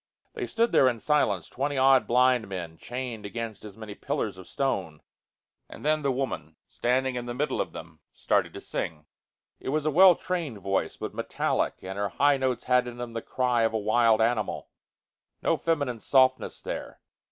They stood there in silence, twenty odd blind men, chained against as many pillars of stone; and then the woman, standing in the middle of them, started to sing. It was a well trained voice, but metallic, and her high notes had in them the cry of a wild animal. No feminine softness there.